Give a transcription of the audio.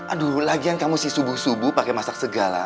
aduh lagian kamu si subuh subuh pakai masak segala